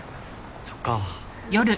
そっか。